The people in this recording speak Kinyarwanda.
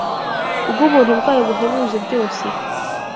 bw’Ubuntu bwayo buhebuje byose,